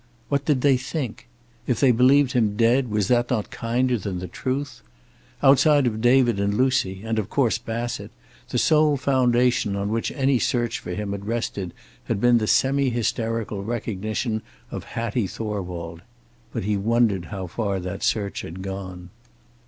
What did they think? If they believed him dead, was that not kinder than the truth? Outside of David and Lucy, and of course Bassett, the sole foundation on which any search for him had rested had been the semi hysterical recognition of Hattie Thorwald. But he wondered how far that search had gone.